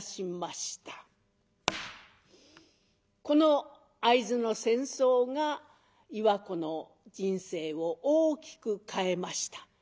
この会津の戦争が岩子の人生を大きく変えました。